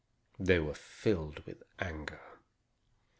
They were filled with anger.